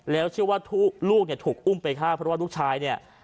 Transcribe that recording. แล้วเชื่อว่าลูกถูกอุ้มไปฆ่าเพราะว่าลูกชาย